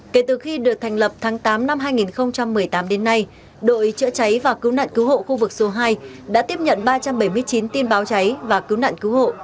kể từ khi được thành lập tháng tám năm hai nghìn một mươi tám đến nay đội chữa cháy và cứu nạn cứu hộ khu vực số hai đã tiếp nhận ba trăm bảy mươi chín tin báo cháy và cứu nạn cứu hộ